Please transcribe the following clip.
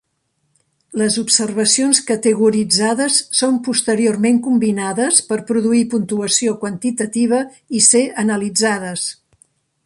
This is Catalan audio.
Les observacions categoritzades són posteriorment combinades per produir puntuació quantitativa i ser analitzades.